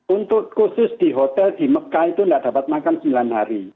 untuk khusus di hotel di mekah itu tidak dapat makan sembilan hari